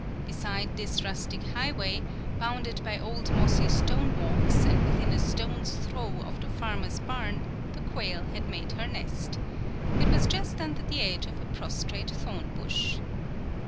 Beside this rustic highway, bounded by old mossy stone walls, and within a stone's throw of the farmer's barn, the quail had made her nest. It was just under the edge of a prostrate thorn bush.